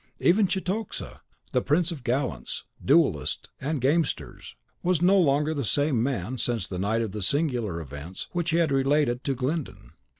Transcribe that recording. Even Cetoxa, the prince of gallants, duellists, and gamesters, was no longer the same man since the night of the singular events which he had related to Glyndon.